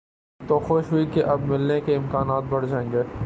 تو خوشی ہوئی کہ اب ملنے کے امکانات بڑھ جائیں گے۔